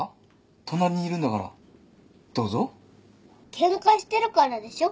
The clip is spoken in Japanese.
ケンカしてるからでしょ。